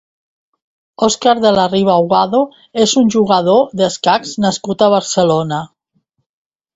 Òscar de la Riva Aguado és un jugador d'escacs nascut a Barcelona.